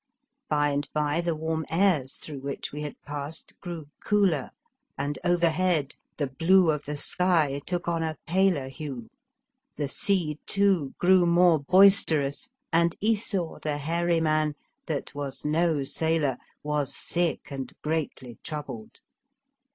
By and by the warm airs through which we had passed grew cooler, and overhead the blue of the sky took on a paler 130 The Fearsome Island hue. The sea too grew more boister ous, and Esau, the hairy man, that was no sailor, was sick and greatly troubled.